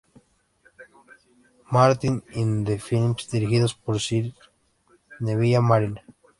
Martin in the Fields", dirigidos por Sir Neville Marriner.